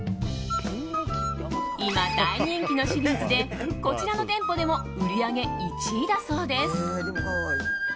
今、大人気のシリーズでこちらの店舗でも売り上げ１位だそうです。